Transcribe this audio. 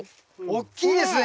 大きいですね